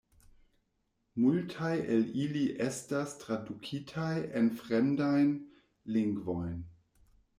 Multaj el ili estas tradukitaj en fremdajn lingvojn.